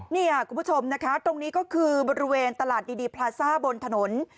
นี่ค่ะคุณผู้ชมนะคะตรงนี้ก็คือบริเวณตลาดดีพลาซ่าบนถนน